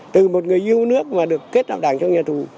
từ một người yêu nước mà được kết hợp đảng trong nhà tù